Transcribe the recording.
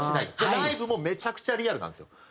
ライブもめちゃくちゃリアルなんですよ。